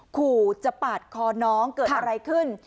ขู่จะปาดคอน้องเกิดอะไรขึ้น